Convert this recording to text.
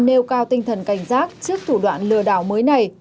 nêu cao tinh thần cảnh giác trước thủ đoạn lừa đảo mới này